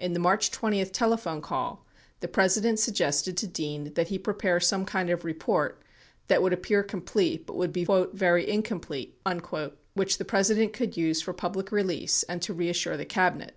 In the March 20 telephone call, the President suggested to Dean that he prepare some kind of report that would appear complete, but would be "very incomplete" which the President could use for public release and to reassure the Cabinet.